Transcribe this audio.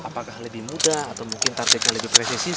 apakah lebih mudah atau mungkin lebih presisi